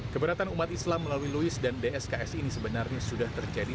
keberatan umat islam melalui louis dan dsks ini sebenarnya sudah terjadi